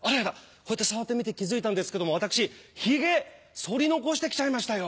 こうやって触ってみて気付いたんですけども私ひげ剃り残して来ちゃいましたよ。